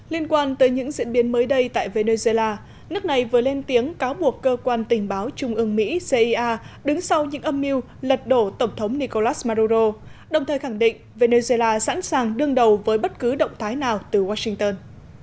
liên quan tới những diễn biến mới đây tại venezuela nước này vừa lên tiếng cáo buộc cơ quan tình báo trung ương mỹ đứng sau những âm mưu lật đổ tổng thống nicolas maduro đồng thời khẳng định venezuela sẵn sàng đương đầu với bất cứ động thái nào từ washington